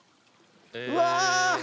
うわ！